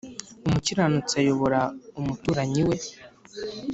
umukiranutsi ayobora umuturanyi we,